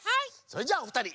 それじゃあおふたり